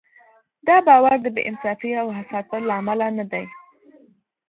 دا باور د بې انصافۍ او حسادت له امله نه دی.